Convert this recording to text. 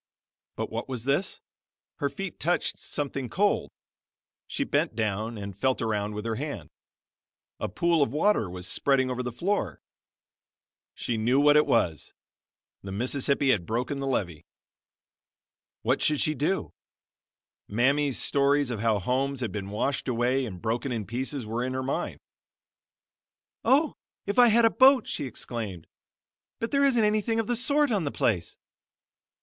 But what was this? Her feet touched something cold! She bent down and felt around with her hand. A pool of water was spreading over the floor. She knew what it was; the Mississippi had broken through the levee. What should she do? Mammy's stories of how homes had been washed away and broken in pieces were in her mind. "Oh, if I had a boat!" she exclaimed. "But there isn't anything of the sort on the place."